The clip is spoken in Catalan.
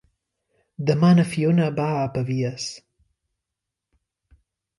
Demà na Fiona va a Pavies.